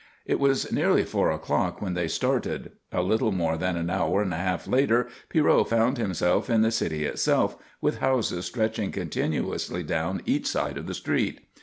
It was nearly four o'clock when they started. A little more than an hour and a half later Pierrot found himself in the city itself, with houses stretching continuously down each side of the street.